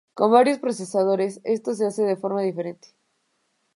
Con varios procesadores esto se hace de forma diferente.